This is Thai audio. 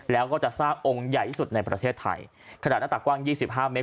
แล้วก็จะสร้างองค์ใหญ่ที่สุดในประเทศไทยขนาดหน้าตากว้างยี่สิบห้าเมตร